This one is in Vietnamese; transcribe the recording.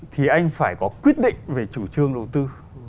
thì anh phải có quyết định về chủ trương đầu tư